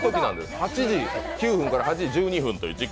８時９分から８時１２分という時間。